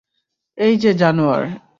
এইযে, জানোয়ার।